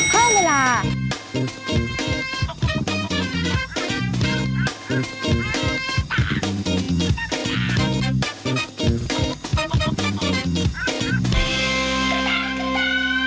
สวัสดีค่ะ